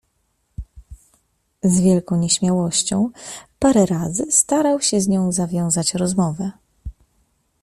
"Z wielką nieśmiałością parę razy starał się z nią zawiązać rozmowę."